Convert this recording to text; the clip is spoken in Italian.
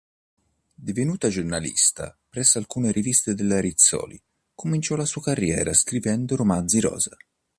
Divenuta giornalista presso alcune riviste della Rizzoli, cominciò la sua carriera scrivendo romanzi rosa.